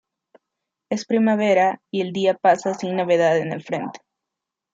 Es primavera y el día pasa sin novedad en el frente.